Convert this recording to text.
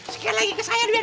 sekali lagi ke saya deh